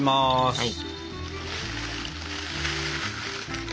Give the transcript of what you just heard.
はい。